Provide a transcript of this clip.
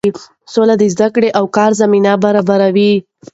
سوله د زده کړې او کار زمینه برابروي.